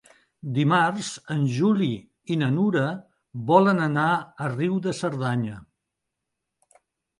Dimarts en Juli i na Nura volen anar a Riu de Cerdanya.